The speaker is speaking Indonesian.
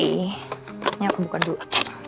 ini aku buka dulu